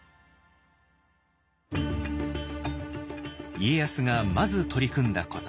家康がまず取り組んだこと。